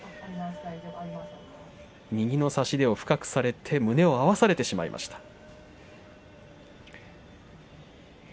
右の差し手を深くされて胸を合わせてしまいました。